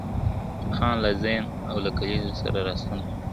خان له زین او له کیزې سره را ستون سو `